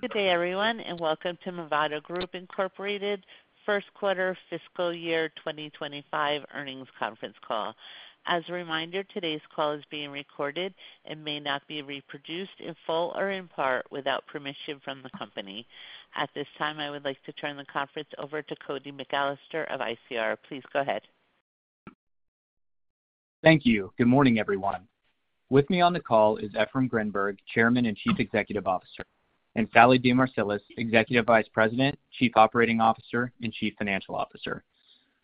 Good day, everyone, and welcome to Movado Group, Inc. first quarter fiscal year 2025 earnings conference call. As a reminder, today's call is being recorded and may not be reproduced in full or in part without permission from the company. At this time, I would like to turn the conference over to Cody McAllister of ICR. Please go ahead. Thank you. Good morning, everyone. With me on the call is Efraim Grinberg, Chairman and Chief Executive Officer, and Sallie DeMarsilis, Executive Vice President, Chief Operating Officer, and Chief Financial Officer.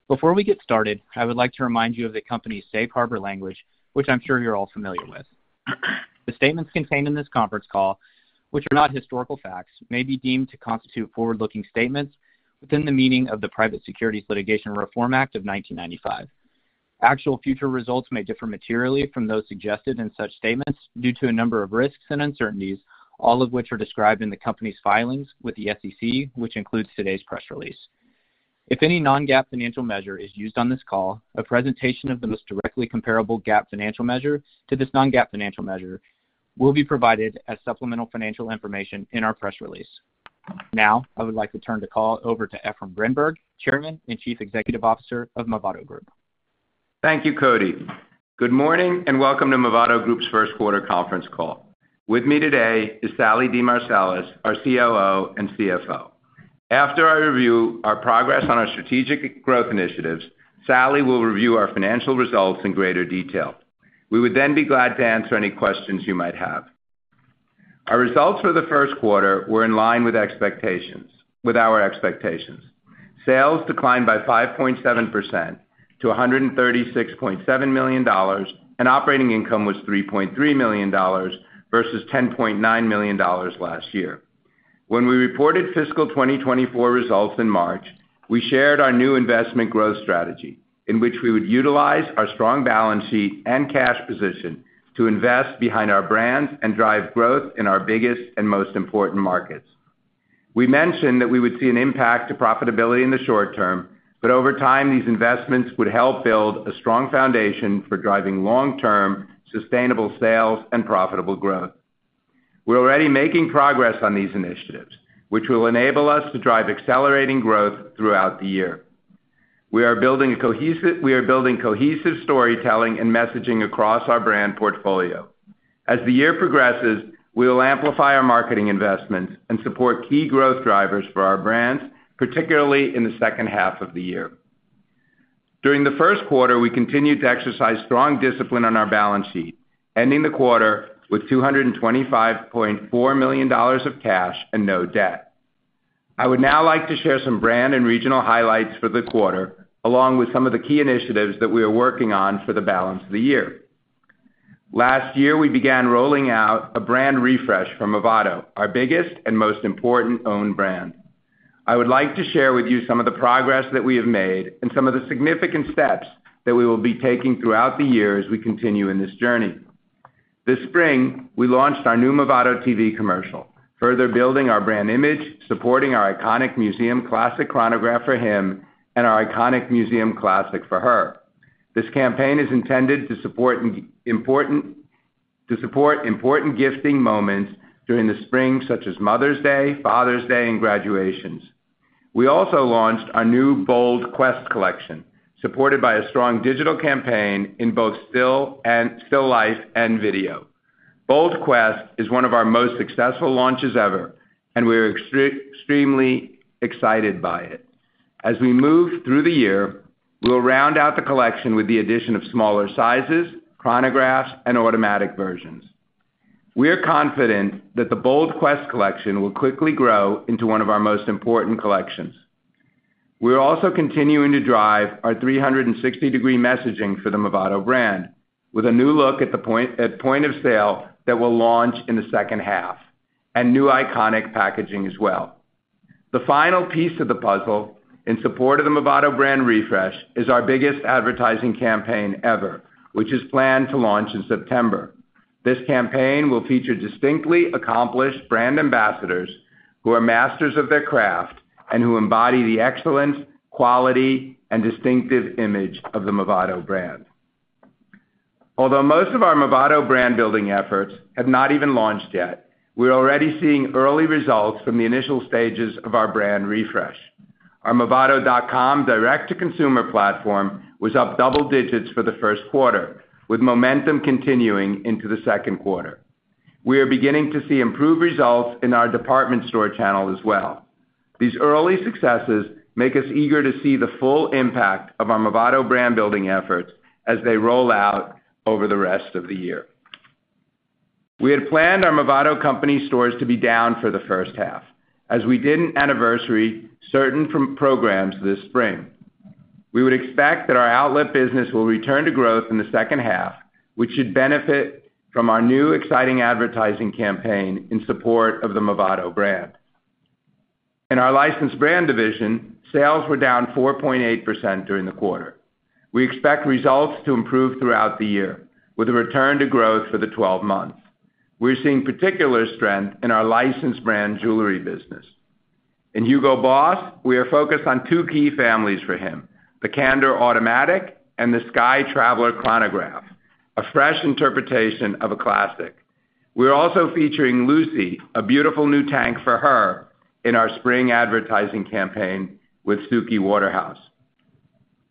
Before we get started, I would like to remind you of the company's safe harbor language, which I'm sure you're all familiar with. The statements contained in this conference call, which are not historical facts, may be deemed to constitute forward-looking statements within the meaning of the Private Securities Litigation Reform Act of 1995. Actual future results may differ materially from those suggested in such statements due to a number of risks and uncertainties, all of which are described in the company's filings with the SEC, which includes today's press release. If any non-GAAP financial measure is used on this call, a presentation of the most directly comparable GAAP financial measure to this non-GAAP financial measure will be provided as supplemental financial information in our press release. Now, I would like to turn the call over to Efraim Grinberg, Chairman and Chief Executive Officer of Movado Group. Thank you, Cody. Good morning, and welcome to Movado Group's first quarter conference call. With me today is Sallie DeMarsilis, our COO and CFO. After I review our progress on our strategic growth initiatives, Sallie will review our financial results in greater detail. We would then be glad to answer any questions you might have. Our results for the first quarter were in line with expectations, with our expectations. Sales declined by 5.7% to $136.7 million, and operating income was $3.3 million versus $10.9 million last year. When we reported fiscal 2024 results in March, we shared our new investment growth strategy, in which we would utilize our strong balance sheet and cash position to invest behind our brands and drive growth in our biggest and most important markets. We mentioned that we would see an impact to profitability in the short term, but over time, these investments would help build a strong foundation for driving long-term sustainable sales and profitable growth. We're already making progress on these initiatives, which will enable us to drive accelerating growth throughout the year. We are building cohesive storytelling and messaging across our brand portfolio. As the year progresses, we will amplify our marketing investments and support key growth drivers for our brands, particularly in the second half of the year. During the first quarter, we continued to exercise strong discipline on our balance sheet, ending the quarter with $225.4 million of cash and no debt. I would now like to share some brand and regional highlights for the quarter, along with some of the key initiatives that we are working on for the balance of the year. Last year, we began rolling out a brand refresh for Movado, our biggest and most important own brand. I would like to share with you some of the progress that we have made and some of the significant steps that we will be taking throughout the year as we continue in this journey. This spring, we launched our new Movado TV commercial, further building our brand image, supporting our iconic Museum Classic Chronograph for Him and our iconic Museum Classic for Her. This campaign is intended to support important gifting moments during the spring, such as Mother's Day, Father's Day, and graduations. We also launched our new BOLD Quest collection, supported by a strong digital campaign in both still life and video. BOLD Quest is one of our most successful launches ever, and we are extremely excited by it. As we move through the year, we'll round out the collection with the addition of smaller sizes, chronographs, and automatic versions. We are confident that the BOLD Quest collection will quickly grow into one of our most important collections. We're also continuing to drive our 360-degree messaging for the Movado brand, with a new look at point of sale that will launch in the second half, and new iconic packaging as well. The final piece of the puzzle in support of the Movado brand refresh is our biggest advertising campaign ever, which is planned to launch in September. This campaign will feature distinctly accomplished brand ambassadors who are masters of their craft and who embody the excellence, quality, and distinctive image of the Movado brand. Although most of our Movado brand building efforts have not even launched yet, we're already seeing early results from the initial stages of our brand refresh. Our Movado.com direct-to-consumer platform was up double digits for the first quarter, with momentum continuing into the second quarter. We are beginning to see improved results in our department store channel as well. These early successes make us eager to see the full impact of our Movado brand building efforts as they roll out over the rest of the year. We had planned our Movado company stores to be down for the first half, as we didn't anniversary certain programs this spring. We would expect that our outlet business will return to growth in the second half, which should benefit from our new exciting advertising campaign in support of the Movado brand. In our licensed brand division, sales were down 4.8% during the quarter. We expect results to improve throughout the year with a return to growth for the 12 months. We're seeing particular strength in our licensed brand jewelry business.... In Hugo Boss, we are focused on two key families for him, the Candor Automatic and the Skytraveller Chronograph, a fresh interpretation of a classic. We are also featuring Lucy, a beautiful new tank for her, in our spring advertising campaign with Suki Waterhouse.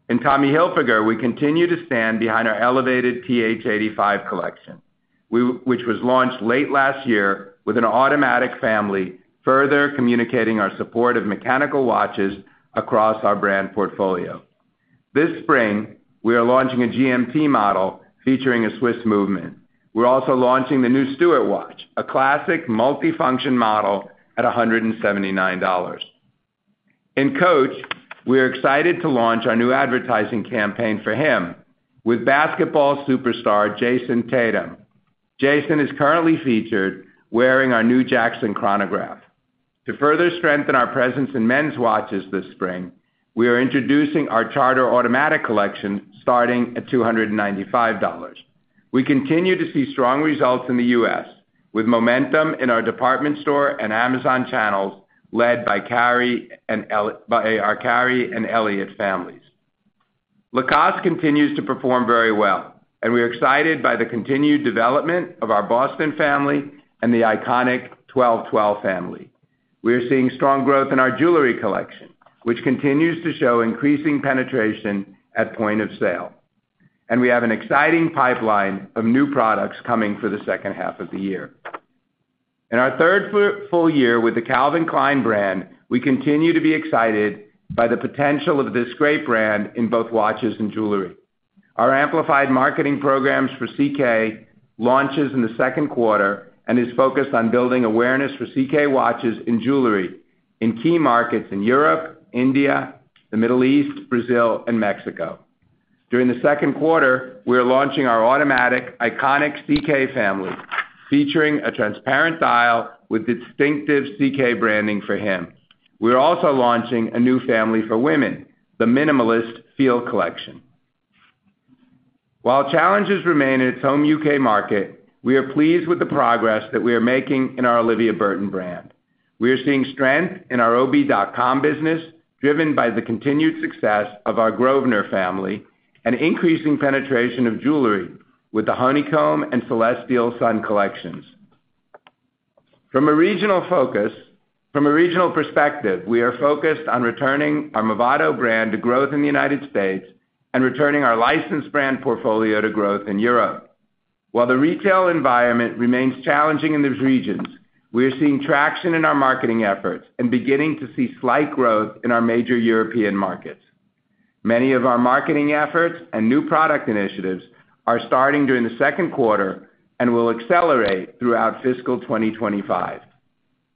In Tommy Hilfiger, we continue to stand behind our elevated TH85 collection, which was launched late last year with an automatic family, further communicating our support of mechanical watches across our brand portfolio. This spring, we are launching a GMT model featuring a Swiss movement. We're also launching the new Stewart watch, a classic multifunction model at $179. In Coach, we are excited to launch our new advertising campaign for him with basketball superstar Jayson Tatum. Jayson is currently featured wearing our new Jackson Chronograph. To further strengthen our presence in men's watches this spring, we are introducing our Charter Automatic collection, starting at $295. We continue to see strong results in the U.S., with momentum in our department store and Amazon channels, led by our Cary and Elliot families. Lacoste continues to perform very well, and we are excited by the continued development of our Boston family and the iconic 12.12 family. We are seeing strong growth in our jewelry collection, which continues to show increasing penetration at point of sale. We have an exciting pipeline of new products coming for the second half of the year. In our third full year with the Calvin Klein brand, we continue to be excited by the potential of this great brand in both watches and jewelry. Our amplified marketing programs for CK launches in the second quarter and is focused on building awareness for CK watches and jewelry in key markets in Europe, India, the Middle East, Brazil, and Mexico. During the second quarter, we are launching our automatic, iconic CK family, featuring a transparent dial with distinctive CK branding for him. We are also launching a new family for women, the minimalist Feel collection. While challenges remain in its home UK market, we are pleased with the progress that we are making in our Olivia Burton brand. We are seeing strength in our OliviaBurton.com business, driven by the continued success of our Grosvenor family and increasing penetration of jewelry with the Honeycomb and Celestial Sun collections. From a regional perspective, we are focused on returning our Movado brand to growth in the United States and returning our licensed brand portfolio to growth in Europe. While the retail environment remains challenging in these regions, we are seeing traction in our marketing efforts and beginning to see slight growth in our major European markets. Many of our marketing efforts and new product initiatives are starting during the second quarter and will accelerate throughout fiscal 2025.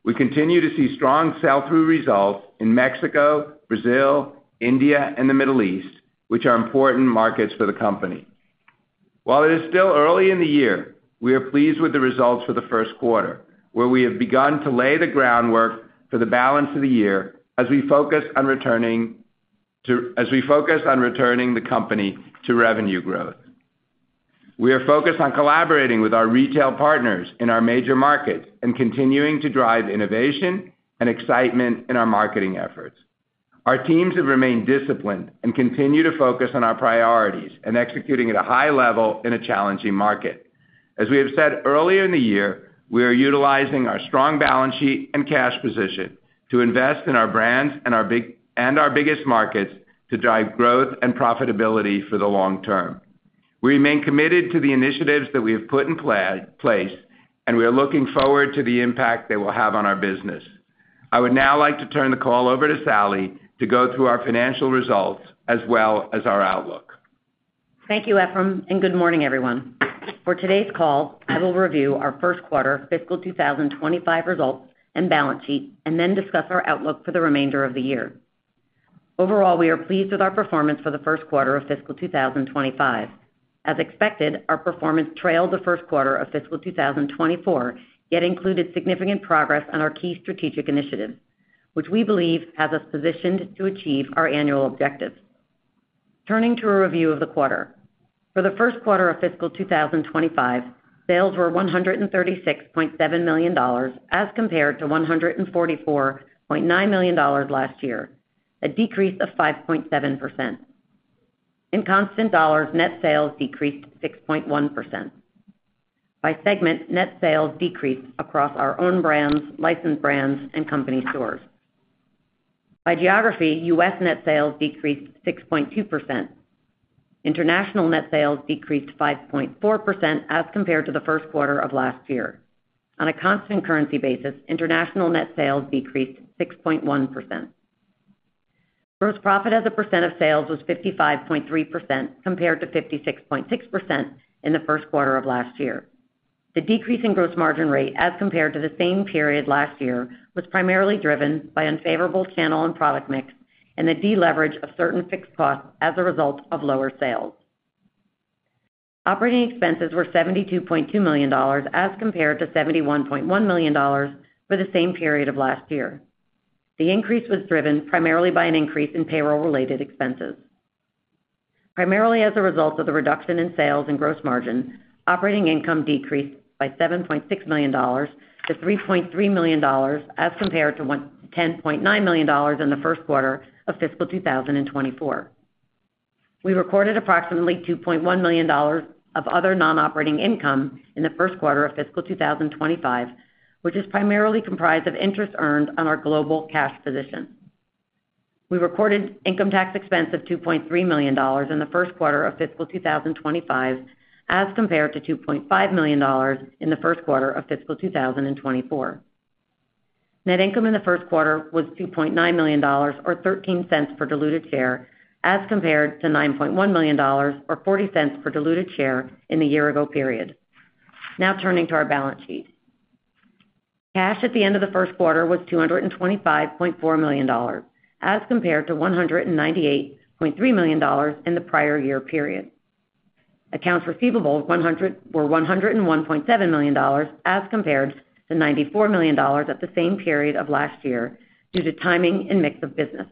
We continue to see strong sell-through results in Mexico, Brazil, India, and the Middle East, which are important markets for the company. While it is still early in the year, we are pleased with the results for the first quarter, where we have begun to lay the groundwork for the balance of the year as we focus on returning the company to revenue growth. We are focused on collaborating with our retail partners in our major markets and continuing to drive innovation and excitement in our marketing efforts. Our teams have remained disciplined and continue to focus on our priorities and executing at a high level in a challenging market. As we have said earlier in the year, we are utilizing our strong balance sheet and cash position to invest in our brands and our big and our biggest markets to drive growth and profitability for the long term. We remain committed to the initiatives that we have put in place, and we are looking forward to the impact they will have on our business. I would now like to turn the call over to Sallie to go through our financial results as well as our outlook. Thank you, Efraim, and good morning, everyone. For today's call, I will review our first quarter fiscal 2025 results and balance sheet, and then discuss our outlook for the remainder of the year. Overall, we are pleased with our performance for the first quarter of fiscal 2025. As expected, our performance trailed the first quarter of fiscal 2024, yet included significant progress on our key strategic initiatives, which we believe has us positioned to achieve our annual objectives. Turning to a review of the quarter. For the first quarter of fiscal 2025, sales were $136.7 million, as compared to $144.9 million last year, a decrease of 5.7%. In constant dollars, net sales decreased 6.1%. By segment, net sales decreased across our own brands, licensed brands, and company stores. By geography, U.S. net sales decreased 6.2%. International net sales decreased 5.4% as compared to the first quarter of last year. On a constant currency basis, international net sales decreased 6.1%. Gross profit as a percent of sales was 55.3%, compared to 56.6% in the first quarter of last year. The decrease in gross margin rate, as compared to the same period last year, was primarily driven by unfavorable channel and product mix and the deleverage of certain fixed costs as a result of lower sales. Operating expenses were $72.2 million, as compared to $71.1 million for the same period of last year. The increase was driven primarily by an increase in payroll-related expenses. Primarily as a result of the reduction in sales and gross margin, operating income decreased by $7.6 million to $3.3 million, as compared to $10.9 million in the first quarter of fiscal 2024. We recorded approximately $2.1 million of other non-operating income in the first quarter of fiscal 2025, which is primarily comprised of interest earned on our global cash position. We recorded income tax expense of $2.3 million in the first quarter of fiscal 2025, as compared to $2.5 million in the first quarter of fiscal 2024. Net income in the first quarter was $2.9 million or $0.13 per diluted share, as compared to $9.1 million or $0.40 per diluted share in the year-ago period. Now turning to our balance sheet. Cash at the end of the first quarter was $225.4 million, as compared to $198.3 million in the prior year period. Accounts receivable were $101.7 million, as compared to $94 million at the same period of last year, due to timing and mix of business.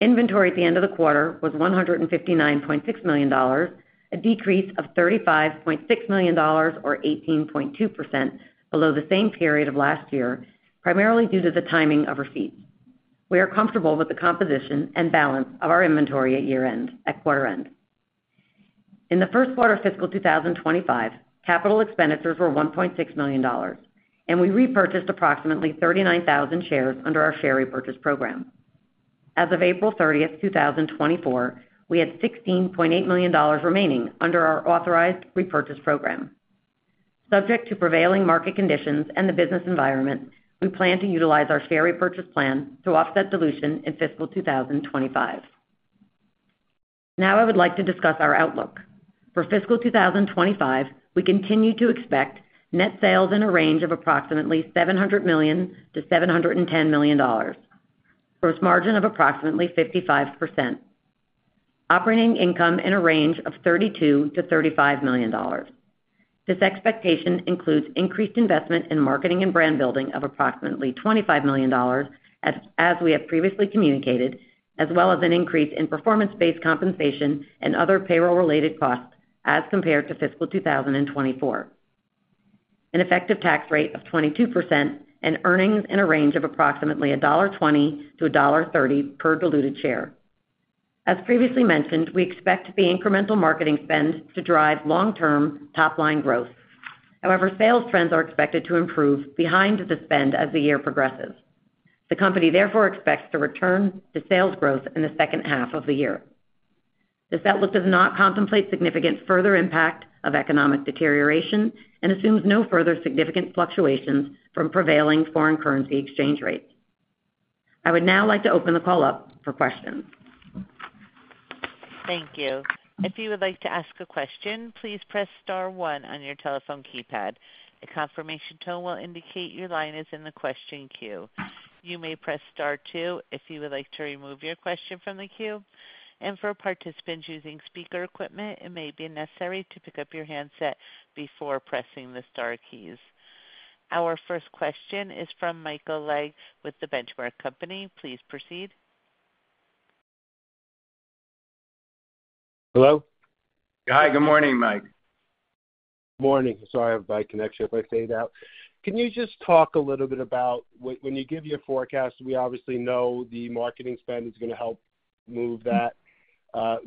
Inventory at the end of the quarter was $159.6 million, a decrease of $35.6 million or 18.2% below the same period of last year, primarily due to the timing of receipts. We are comfortable with the composition and balance of our inventory at year-end, at quarter end. In the first quarter of fiscal 2025, capital expenditures were $1.6 million, and we repurchased approximately 39,000 shares under our share repurchase program. As of April 30, 2024, we had $16.8 million remaining under our authorized repurchase program. Subject to prevailing market conditions and the business environment, we plan to utilize our share repurchase plan to offset dilution in fiscal 2025. Now I would like to discuss our outlook. For fiscal 2025, we continue to expect net sales in a range of approximately $700 million-$710 million. Gross margin of approximately 55%. Operating income in a range of $32 million-$35 million. This expectation includes increased investment in marketing and brand building of approximately $25 million, as we have previously communicated, as well as an increase in performance-based compensation and other payroll-related costs as compared to fiscal 2024. An effective tax rate of 22% and earnings in a range of approximately $1.20-$1.30 per diluted share. As previously mentioned, we expect the incremental marketing spend to drive long-term top-line growth. However, sales trends are expected to improve behind the spend as the year progresses. The company, therefore, expects to return to sales growth in the second half of the year. This outlook does not contemplate significant further impact of economic deterioration and assumes no further significant fluctuations from prevailing foreign currency exchange rates. I would now like to open the call up for questions. Thank you. If you would like to ask a question, please press star one on your telephone keypad. A confirmation tone will indicate your line is in the question queue. You may press star two if you would like to remove your question from the queue. For participants using speaker equipment, it may be necessary to pick up your handset before pressing the star keys. Our first question is from Michael Legg with The Benchmark Company. Please proceed. Hello? Hi, good morning, Mike. Morning. Sorry, my connection, if I fade out. Can you just talk a little bit about when, when you give your forecast? We obviously know the marketing spend is going to help move that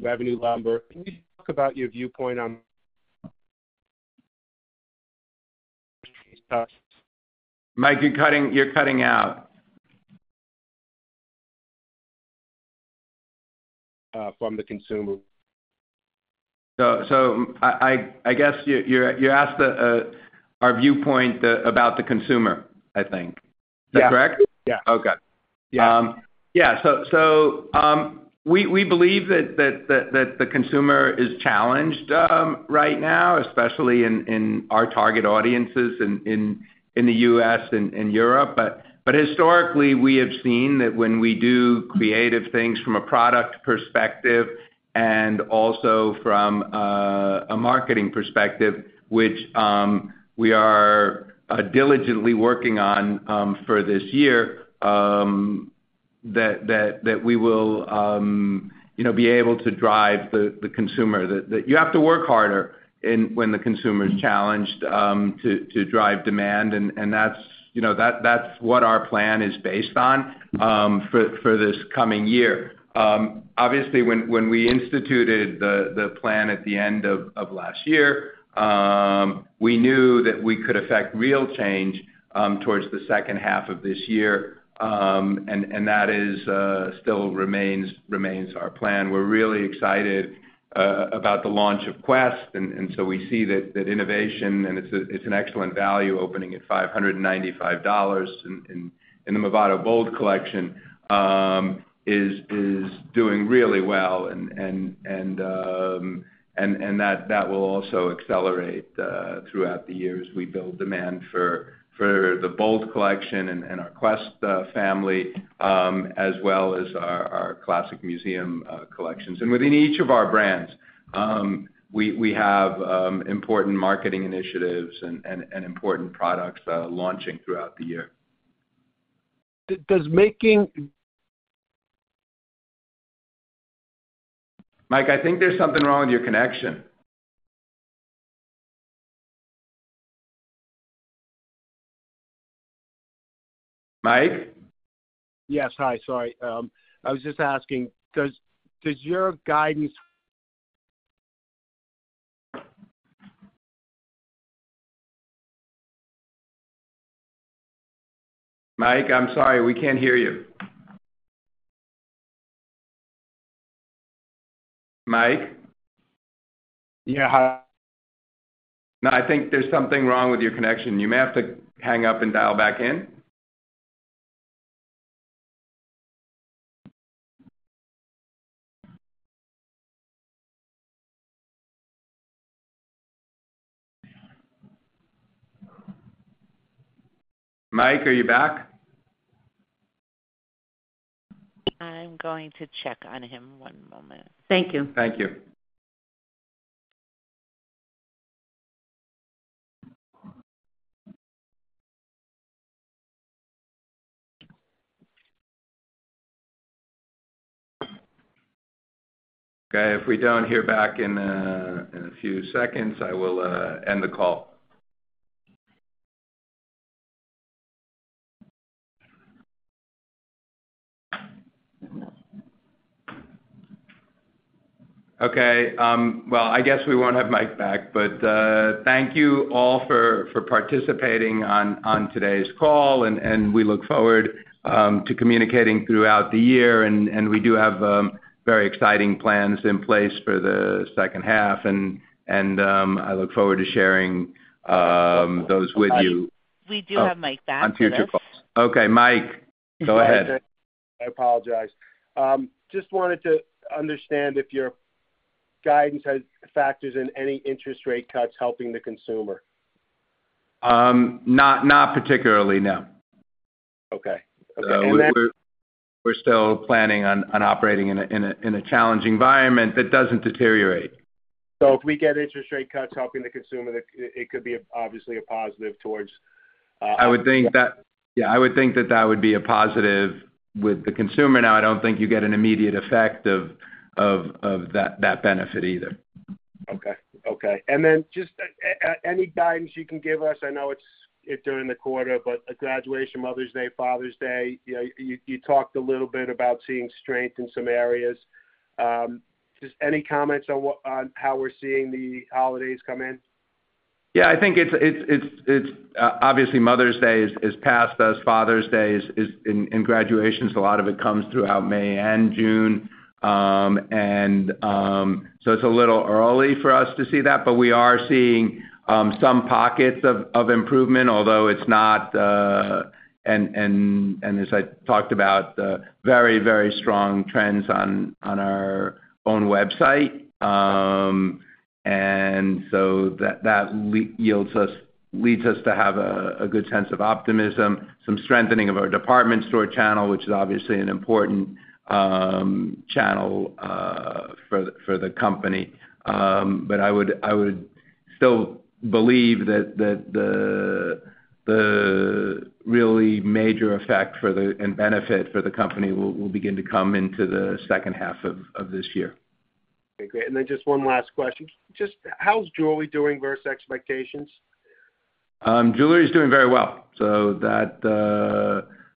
revenue number. Can you talk about your viewpoint on- Mike, you're cutting, you're cutting out. From the consumer. I guess you asked our viewpoint about the consumer, I think. Yeah. Is that correct? Yeah. Okay. Yeah. Yeah. So, we believe that the consumer is challenged right now, especially in the US and in Europe. But historically, we have seen that when we do creative things from a product perspective and also from a marketing perspective, which we are diligently working on for this year, that we will, you know, be able to drive the consumer. That you have to work harder when the consumer is challenged to drive demand, and that's, you know, that's what our plan is based on for this coming year. Obviously, when we instituted the plan at the end of last year, we knew that we could affect real change towards the second half of this year. And that still remains our plan. We're really excited about the launch of Quest. And so we see that innovation, and it's an excellent value, opening at $595 in the Movado Bold Collection, is doing really well. And that will also accelerate throughout the year as we build demand for the Bold Collection and our Quest family, as well as our classic Museum collections. And within each of our brands, we have important marketing initiatives and important products launching throughout the year.... does making- Mike, I think there's something wrong with your connection. Mike? Yes. Hi, sorry. I was just asking, does your guidance- Mike, I'm sorry, we can't hear you. Mike? Yeah, hi. No, I think there's something wrong with your connection. You may have to hang up and dial back in. Mike, are you back? I'm going to check on him. One moment. Thank you. Thank you. Okay, if we don't hear back in a few seconds, I will end the call. Okay, well, I guess we won't have Mike back, but thank you all for participating on today's call, and we look forward to communicating throughout the year. And we do have very exciting plans in place for the second half, and I look forward to sharing those with you- We do have Mike back with us. Okay, Mike, go ahead. I apologize. Just wanted to understand if your guidance has factored in any interest rate cuts helping the consumer? Not particularly, no. Okay. Okay, and then- We're still planning on operating in a challenging environment that doesn't deteriorate. If we get interest rate cuts helping the consumer, it could be obviously a positive towards... I would think that... Yeah, I would think that that would be a positive with the consumer. Now, I don't think you get an immediate effect of that benefit either. Okay. Okay. And then just any guidance you can give us. I know it's during the quarter, but graduation, Mother's Day, Father's Day, you know, you talked a little bit about seeing strength in some areas. Just any comments on what, on how we're seeing the holidays come in? Yeah, I think it's obviously Mother's Day is past us. Father's Day is, and graduations, a lot of it comes throughout May and June. So it's a little early for us to see that, but we are seeing some pockets of improvement, although it's not... And as I talked about, very strong trends on our own website. So that leads us to have a good sense of optimism, some strengthening of our department store channel, which is obviously an important channel for the company. But I would still believe that the really major effect for the, and benefit for the company will begin to come into the second half of this year. Okay, great. And then just one last question. Just, how's jewelry doing versus expectations? Jewelry is doing very well. So that,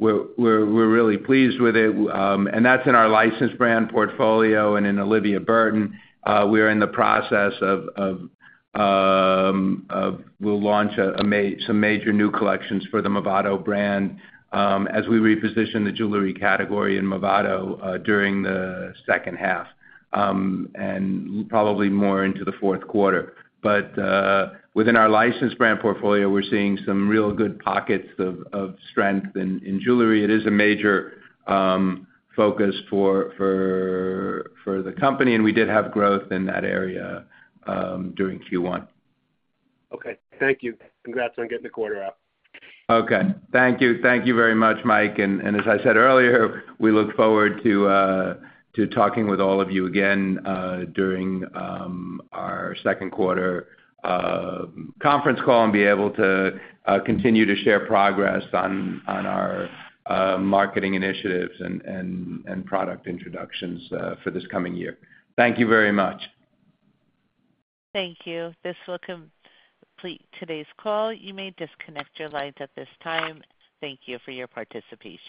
we're really pleased with it. And that's in our licensed brand portfolio and in Olivia Burton. We're in the process of—we'll launch some major new collections for the Movado brand, as we reposition the jewelry category in Movado, during the second half, and probably more into the fourth quarter. But, within our licensed brand portfolio, we're seeing some real good pockets of strength in jewelry. It is a major focus for the company, and we did have growth in that area, during Q1. Okay. Thank you. Congrats on getting the quarter out. Okay. Thank you. Thank you very much, Mike. And as I said earlier, we look forward to talking with all of you again during our second quarter conference call and be able to continue to share progress on our marketing initiatives and product introductions for this coming year. Thank you very much. Thank you. This will complete today's call. You may disconnect your lines at this time. Thank you for your participation.